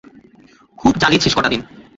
খুব জ্বালিয়েছিস কটা দিন।